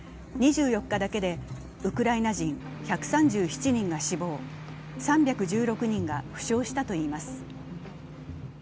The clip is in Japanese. ２４日だけでウクライナ人１３７人が死亡、３１６人が負傷したといいます。